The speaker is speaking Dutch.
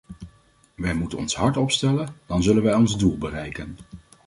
Wij moeten ons hard opstellen, dan zullen wij ons doel bereiken.